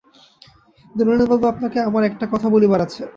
কিন্তু নলিনবাবু, আপনাকে আমার একটা কথা বলিবার আছে।